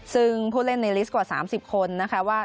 ซึ่งผู้เล่นในลิสต์กว่า๓๐คนนะคะว่า